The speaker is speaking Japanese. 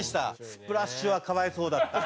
スプラッシュはかわいそうだった。